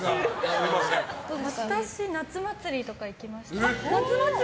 私、夏祭りとか行きました。